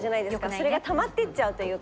それがたまっていっちゃうというか。